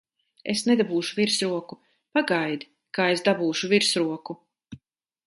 Es nedabūšu virsroku! Pagaidi, kā es dabūšu virsroku!